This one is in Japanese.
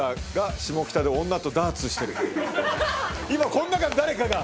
今こん中の誰かが。